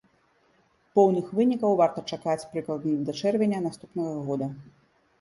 Поўных вынікаў варта чакаць, прыкладна, да чэрвеня наступнага года.